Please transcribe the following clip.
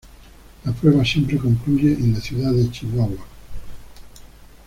La prueba siempre concluye en la ciudad de Chihuahua.